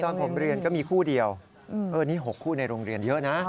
ตอนผมเรียนก็มีคู่เดียวนี่๖คู่ในโรงเรียนเยอะนะ